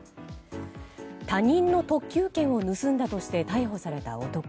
他人の特急券を盗んだとして逮捕された男。